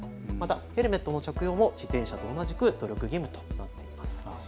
ヘルメットの着用も自転車と同じく努力義務ということになっています。